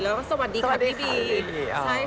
แล้วก็สวัสดีค่ะพี่บีสวัสดีค่ะพี่บี